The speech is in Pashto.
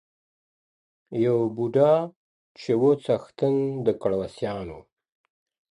یو بوډا چي وو څښتن د کړوسیانو!!